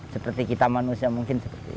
seperti kita manusia mungkin seperti itu